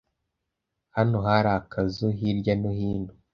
Hano hari akazu hirya no hino.